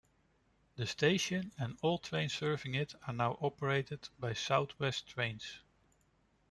The station and all trains serving it are now operated by South West Trains.